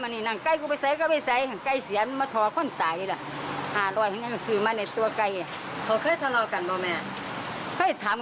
นำไก่ชนที่ชื่อไอ้แดงหรอ